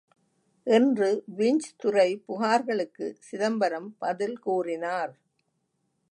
என்று விஞ்ச் துரை புகார்களுக்கு சிதம்பரம் பதில் கூறினார்.